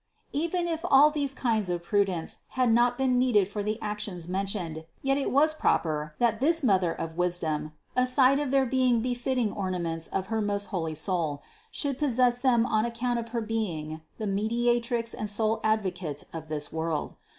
Even if all these kinds of prudence had not been needed for the actions mentioned, yet it was proper, that this Mother of wisdom, aside of their being befitting ornaments of her most holy soul, should possess them on account of her being the Mediatrix and sole Advocate of this world.